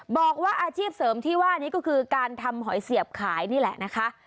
บอกว่าอาชีพเสริมที่ว่านี้ก็คือการทำหอยเสียบขายนี่แหละนะคะ